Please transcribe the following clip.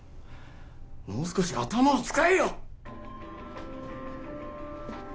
もう少し頭を使えよ！